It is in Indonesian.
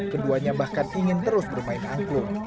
keduanya bahkan ingin terus bermain angklung